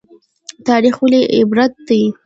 تاریخ ولې عبرت دی؟